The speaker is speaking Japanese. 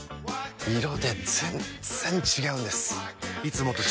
色で全然違うんです！